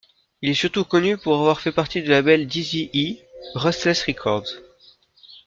Il est surtout connu pour avoir fait partie du label d'Eazy-E, Ruthless Records.